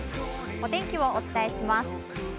お天気をお伝えします。